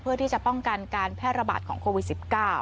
เพื่อที่จะป้องกันการแพร่ระบาดของโควิด๑๙